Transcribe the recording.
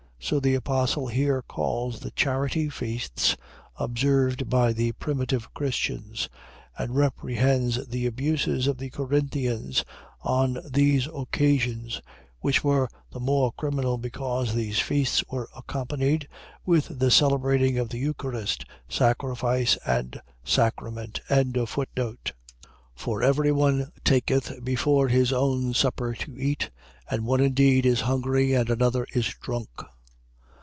. .So the apostle here calls the charity feasts observed by the primitive Christians; and reprehends the abuses of the Corinthians, on these occasions; which were the more criminal, because these feasts were accompanied with the celebrating of the eucharistic sacrifice and sacrament. 11:21. For every one taketh before his own supper to eat. And one indeed is hungry and another is drunk.